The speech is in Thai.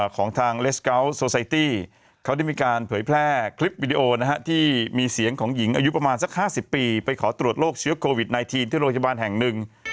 ของทางเลสเกาะโซไซตี้เขาได้มีการเผยแพร่คลิปวิดีโอนะฮะที่มีเสียงของหญิงอายุประมาณสัก๕๐ปีไปขอตรวจโรคเชื้อโควิด๑๙ที่โรงพยาบาลแห่งหนึ่ง